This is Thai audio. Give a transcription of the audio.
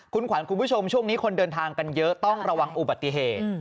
คุณขวัญคุณผู้ชมช่วงนี้คนเดินทางกันเยอะต้องระวังอุบัติเหตุ